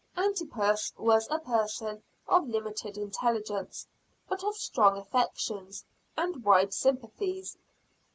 Antipas was a person of limited intelligence, but of strong affections and wide sympathies.